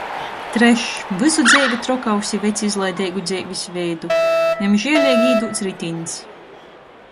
Trešs - vysu dzeivi trokovs i veds izlaideigu dzeivis veidu... Jam žieleigi īdūts ritiņs...